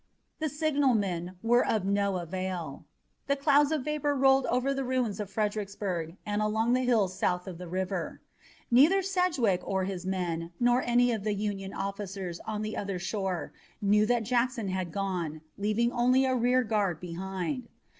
The signalmen were of no avail. The clouds of vapor rolled over the ruins of Fredericksburg and along the hills south of the river. Neither Sedgwick and his men nor any of the Union officers on the other shore knew that Jackson had gone, leaving only a rear guard behind.